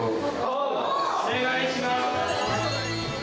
おー、お願いします。